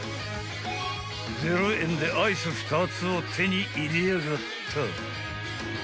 ［０円でアイス２つを手に入れやがった］